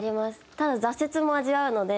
ただ挫折も味わうので。